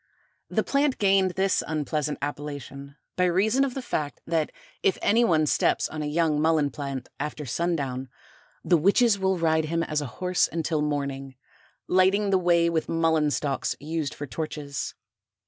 The plant gained this unpleasant appellation by reason of the fact that if any one steps on a young Mullen plant after sundown, the witches will ride him as a horse until morning, lighting the way with Mullen stalks used for torches.